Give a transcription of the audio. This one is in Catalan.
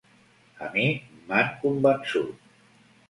A mi m’han convençut.